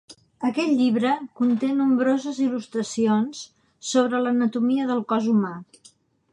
Aquest llibre conté nombroses il·lustracions sobre l'anatomia del cos humà.